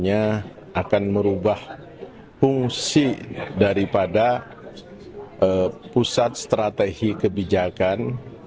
yang akan merubah fungsi daripada pusat strategi kebijakan